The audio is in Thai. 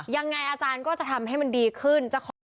ยังไงอาจารย์ก็จะทำให้มันดีขึ้น